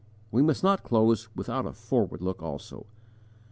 We must not close without a forward look also.